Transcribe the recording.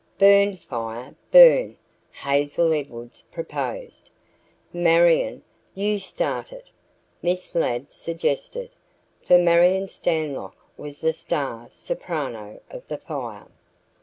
"Burn Fire, Burn," Hazel Edwards proposed. "Marion, you start it," Miss Ladd suggested, for Marion Stanlock was the "star" soprano of the Fire.